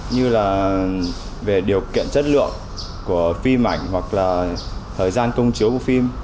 như là về điều kiện chất lượng của phim ảnh hoặc là thời gian công chiếu của phim